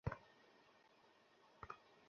তাঁরা ফিসফিস করে কথা বলতে লাগলেন।